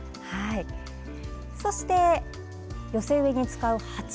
そして、寄せ植えに使う鉢。